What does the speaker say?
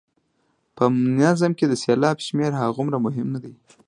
په نظم کې د سېلاب شمېر هغومره مهم نه دی.